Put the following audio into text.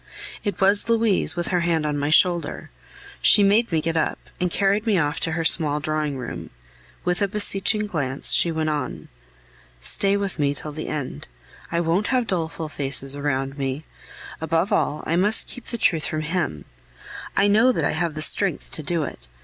It was Louise, with her hand on my shoulder. She made me get up, and carried me off to her small drawing room. With a beseeching glance, she went on: "Stay with me to the end; I won't have doleful faces round me. Above all, I must keep the truth from him. I know that I have the strength to do it.